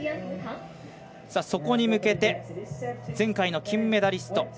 そこに向けて前回の金メダリスト